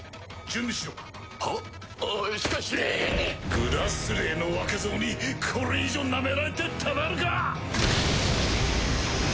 「グラスレー」の若造にこれ以上なめられてたまるか！